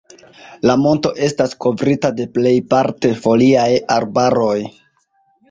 La monto estas kovrita de plejparte foliaj arbaroj.